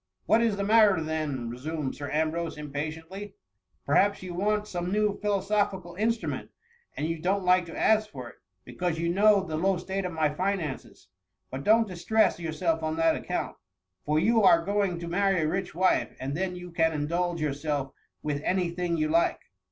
" What is the matter, then ?^ resumed Sir Ambrose, impatiently ;*' Perhaps, you want some new philosophical instrument, and you donH like to ask for it, because you know the low state of my finances. But don^t distress yourself on that account, for you are going to marry a rich wife, and then you can indulge yourself with any thing you like.'"